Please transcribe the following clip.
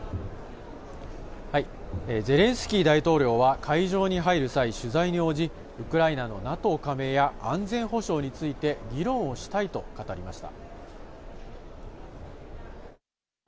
ゼレンスキー大統領は会場に入る際、取材に応じ、ウクライナのＮＡＴＯ加盟や安全保障について議論をしたいと語りました。